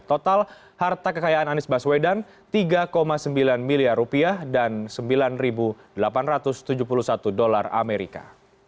total harta kekayaan anies baswedan tiga sembilan miliar rupiah dan sembilan delapan ratus tujuh puluh satu dolar amerika